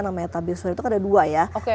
namanya tabir surya itu kan ada dua ya